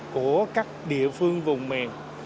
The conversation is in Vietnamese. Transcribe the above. của các địa phương vùng mề